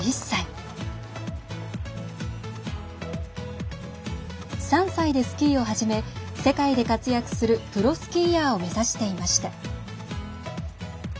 ３歳でスキーを始め世界で活躍するプロスキーヤーを目指していました。